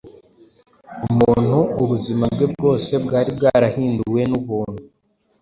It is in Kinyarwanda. umuntu ubuzima bwe bwose bwari bwarahinduwe n’ubuntu